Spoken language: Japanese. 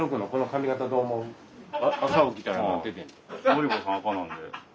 乃理子さん赤なんで。